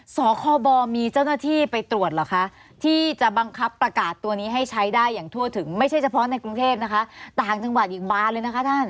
สคบมีเจ้าหน้าที่ไปตรวจเหรอคะที่จะบังคับประกาศตัวนี้ให้ใช้ได้อย่างทั่วถึงไม่ใช่เฉพาะในกรุงเทพนะคะต่างจังหวัดอีกบานเลยนะคะท่าน